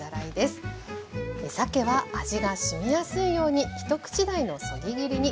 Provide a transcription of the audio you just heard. さけは味がしみやすいように一口大のそぎ切りに。